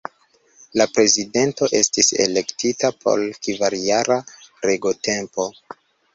La Prezidento estis elektita por kvarjara regotempo.